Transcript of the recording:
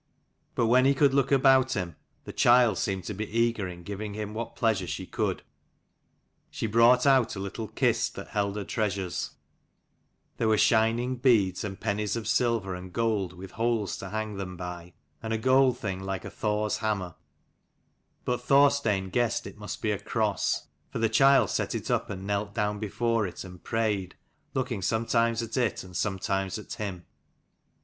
But when he could look about him, the child seemed to be eager in giving him what pleasure she could. She brought out a little kist that held her treasures: there were shining beads, and pennies of silver and gold with holes to hang them by, and a gold thing like a Thor's hammer, but Thorstein guessed it must be a cross ; for the child set it up and knelt down before it and prayed, looking sometimes at it and sometimes at him.